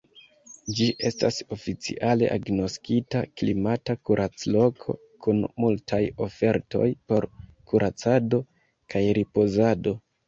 Ĝi estas oficiale agnoskita klimata kuracloko kun multaj ofertoj por kuracado kaj ripozado.